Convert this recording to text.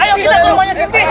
ayo kita rumahnya sendiri